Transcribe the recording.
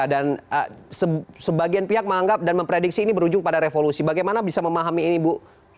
dan sebagian pihak menganggap dan memprediksi ini berujung pada revolusi bagaimana bisa memahami ini ibu